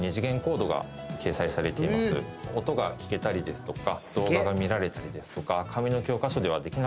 音が聞けたりですとか動画が見られたりですとか。